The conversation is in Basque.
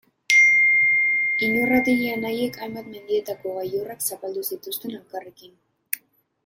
Iñurrategi anaiek hainbat mendietako gailurrak zapaldu zituzten elkarrekin.